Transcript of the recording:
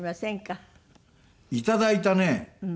いただいたね